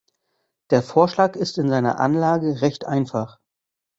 Der Vorschlag ist in seiner Anlage recht einfach.